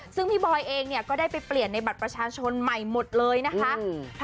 ซึ่งพี่บอยเองเนี่ยก็ได้ไปเปลี่ยนในบัตรประชาชนใหม่หมดเลยนะคะ